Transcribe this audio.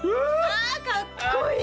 ああかっこいい！